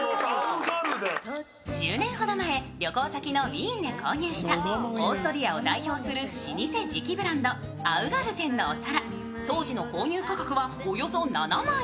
１０年ほど前、旅行先のウィーンで購入したオーストリアを代表する老舗磁器ブランドアウガルテンのお皿。